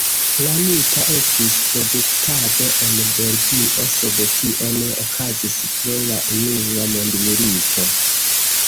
Planita estis produktado en Belgio, sed tio ne okazis pro la unua mondmilito.